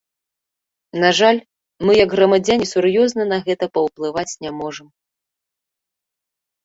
На жаль, мы як грамадзяне, сур'ёзна на гэта паўплываць не можам.